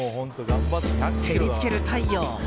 照りつける太陽。